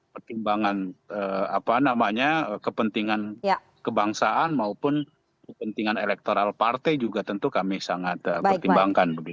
pertimbangan kepentingan kebangsaan maupun kepentingan elektoral partai juga tentu kami sangat pertimbangkan